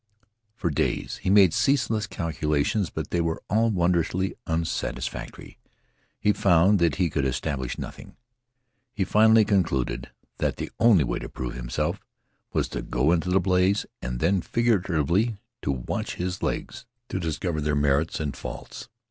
For days he made ceaseless calculations, but they were all wondrously unsatisfactory. He found that he could establish nothing. He finally concluded that the only way to prove himself was to go into the blaze, and then figuratively to watch his legs to discover their merits and faults.